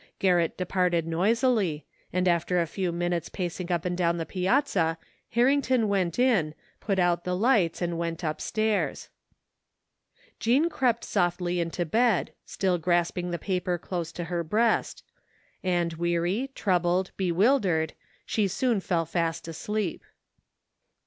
Garrett departed noisily, and after a few minutes pacing up and down the piazza Harrington went in, put out the lights and went upstairs. Jean crept softly into bed, still grasi»ng the paper 122 THE FINDING OF JASPER HOLT dose to her breast; and weary, troubled, bewildered, she soon fell fast asleep.